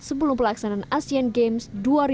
sebelum pelaksanaan asian games dua ribu delapan belas